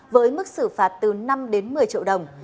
với mức xử phạt từ năm đến một mươi triệu đồng